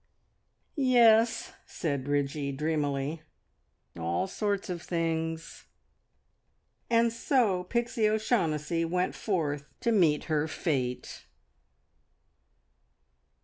"Yes," said Bridgie dreamily, "all sorts of things!" And so Pixie O'Shaughnessy went forth to meet her fate.